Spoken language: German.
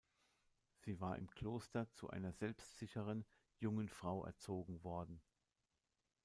Sie war im Kloster zu einer selbstsicheren jungen Frau erzogen worden.